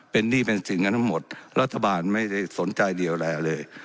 เป็นหนี้เป็นสินกันทั้งหมดรัฐบาลไม่ได้สนใจเดียวแล้วเลย